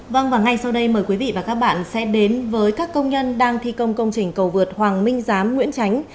vâng và ngay sau đây mời quý vị và các bạn sẽ đến với các công nhân đang thi công công trình cầu vượt hoàng minh giám nguyễn tránh